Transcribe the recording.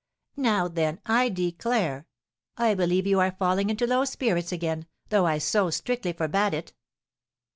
"Now then, I declare, I believe you are falling into low spirits again, though I so strictly forbade it."